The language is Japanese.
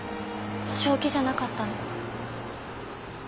正気じゃなかったの。